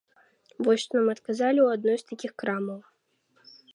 Вось што нам адказалі ў адной з такіх крамаў.